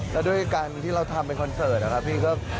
แล้วด้วยการที่เราทำเป็นคอนเสิร์ตนะครับพี่ก็